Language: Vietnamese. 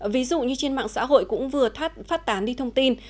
ví dụ như trên mạng xã hội cũng vừa phát tán đi thông tin